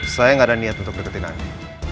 saya nggak ada niat untuk deketin anda